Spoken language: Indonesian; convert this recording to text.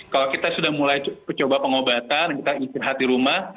kalau kita sudah mulai mencoba pengobatan kita istirahat di rumah